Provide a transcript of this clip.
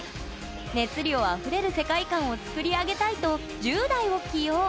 熱量あふれる世界観を作り上げたいと、１０代を起用。